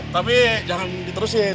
tapi jangan diterusin